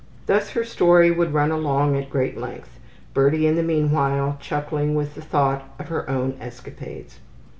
Thus her story would run along at great length, Birdie in the meanwhile chuckling with the thought of her own escapades.